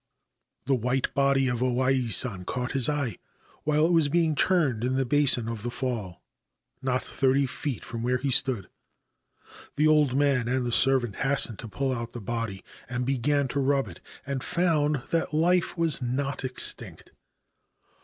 The white body of O Ai San caught his eye while it was being churned in the basin of the fall not thirty feet from where he stood. The old man and the servant hastened to pull out the body and began to rub it, and found that life was not extinct.